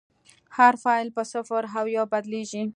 هر فایل په صفر او یو بدلېږي.